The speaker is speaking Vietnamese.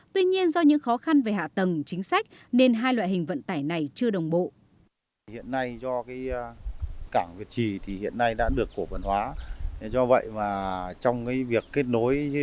tuy nhiên do những khó khăn về hạ tầng chính sách nên hai loại hình vận tải này chưa đồng bộ